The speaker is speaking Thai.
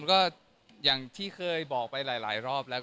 ก็อย่างที่เคยบอกไปหลายรอบแล้ว